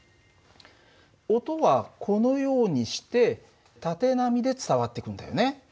音はこのようにして縦波で伝わってくんだよね。